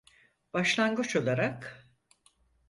Başlangıç olarak.